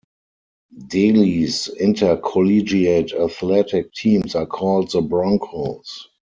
Delhi's intercollegiate athletic teams are called the Broncos.